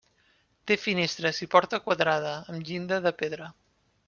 Té finestres i porta quadrada amb llinda de pedra.